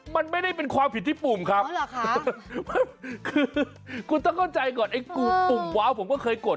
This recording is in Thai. มันไม่ได้เป็นความผิดที่ปุ่มครับคือคุณต้องเข้าใจก่อนไอ้กลุ่มปุ่มว้าวผมก็เคยกด